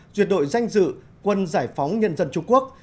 duyệt đội danh dự quân giải phóng nhân dân trung quốc